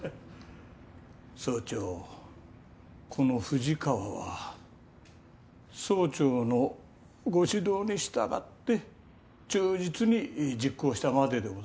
総長この富士川は総長のご指導に従って忠実に実行したまででございますのでねえ。